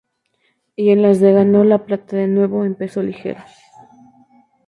Y en las de ganó la plata de nuevo en peso ligero.